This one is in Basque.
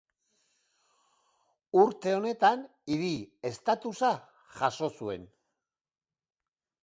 Urte horretan hiri estatusa jaso zuen.